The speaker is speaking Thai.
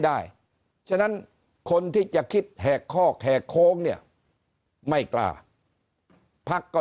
ได้ฉะนั้นคนที่จะคิดแหกคอกแหกโค้งเนี่ยไม่กล้าพักก็